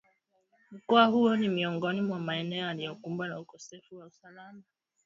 Mkoa huo ni miongoni mwa maeneo yaliyokumbwa na ukosefu wa usalama